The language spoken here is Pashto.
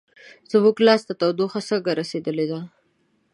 زموږ لاس ته تودوخه څنګه رسیدلې ده؟